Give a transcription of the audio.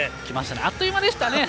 あっという間でしたね。